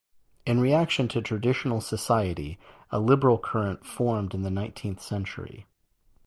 In reaction to traditional society a liberal current formed in the nineteenth century.